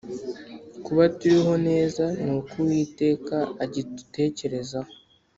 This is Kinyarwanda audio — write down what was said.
kuba turiho neza nuko uwiteka akidutekerezaho